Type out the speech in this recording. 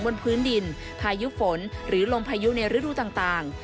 บนพื้นดินพายุฝนหรือลมพายุในฤดูต่าง